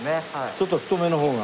ちょっと太めの方が？